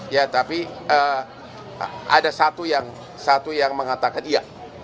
ya tapi ada satu yang mengatakan iya